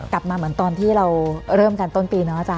กลับมาเหมือนตอนที่เราเริ่มกันต้นปีเนาะอาจาร